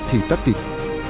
thì tắc tịch